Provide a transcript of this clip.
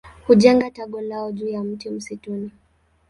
Hujenga tago lao juu ya mti msituni.